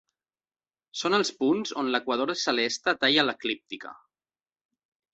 Són els punts on l'equador celeste talla l'eclíptica.